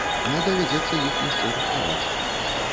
Мо давядзецца іх яшчэ рыхтаваць.